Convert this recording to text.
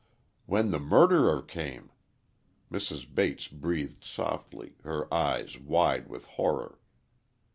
"When the murderer came!" Mrs. Bates breathed softly, her eyes wide with horror.